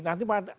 nanti pak ars